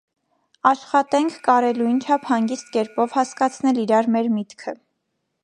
Աշխատենք կարելույն չափ հանգիստ կերպով հասկացնել իրար մեր միտքը: